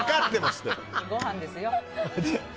ご飯ですよ。